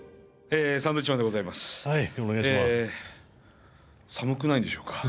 え寒くないんでしょうか？